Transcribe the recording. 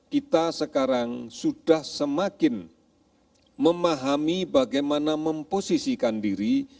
kita sekarang sudah semakin memahami bagaimana memposisikan diri